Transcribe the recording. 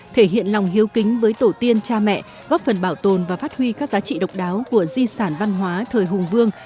thể hiện lòng hiếu kính với tổ tiên cha mẹ góp phần bảo tồn và phát huy các giá trị độc đáo của di sản văn hóa thời hùng vương